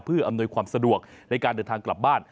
เพื่ออำนวยความสะดวกในการเดินทางกลับบ้าน